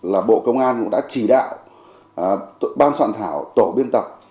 là bộ công an cũng đã chỉ đạo ban soạn thảo tổ biên tập